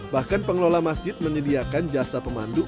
bahkan pengelola masjid menyediakan jasa pemandu